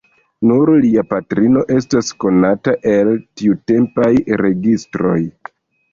Nur lia patrino estas konata el tiutempaj registroj.